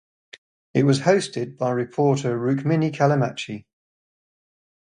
It was hosted by reporter Rukmini Callimachi.